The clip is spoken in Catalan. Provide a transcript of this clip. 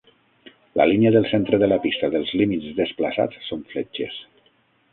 La línia del centre de la pista dels límits desplaçats són fletxes.